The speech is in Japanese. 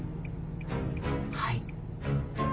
はい。